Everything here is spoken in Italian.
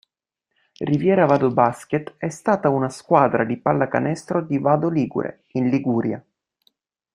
Riviera Vado Basket è stata una squadra di pallacanestro di Vado Ligure, in Liguria.